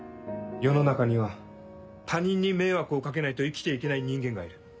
世の中には他人に迷惑を掛けないと生きて行けない人間がいる。